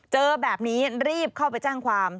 เจอแบบนี้รีบเข้าไปแจ้งความ